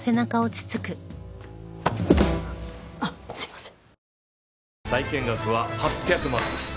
あっすいません。